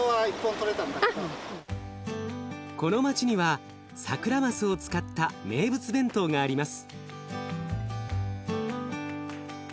この町にはサクラマスを使った名物弁当があります。